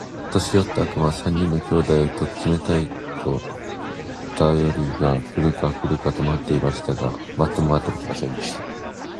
年よった悪魔は、三人の兄弟を取っちめたと言うたよりが来るか来るかと待っていました。が待っても待っても来ませんでした。